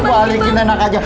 balikin enak aja